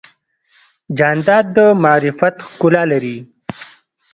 جانداد د معرفت ښکلا لري.